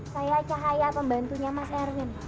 saya cahaya pembantunya mas erwin